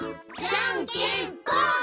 じゃんけんぽん！